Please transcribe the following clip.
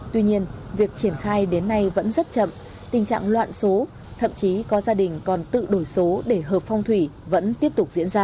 tuy nhiên việc triển khai đến nay vẫn rất chậm tình trạng loạn số thậm chí có gia đình còn tự đổi số để hợp phong thủy vẫn tiếp tục diễn ra